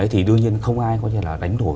thì đương nhiên không ai đánh đổi